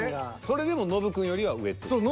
それでもノブくんよりは上っていう。